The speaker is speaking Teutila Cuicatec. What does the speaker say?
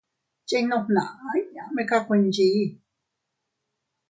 Chinnu fnaʼa inña meka kuinchii.